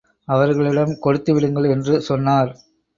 அவர்களிடம் கொடுத்து விடுங்கள் என்று சொன்னார்.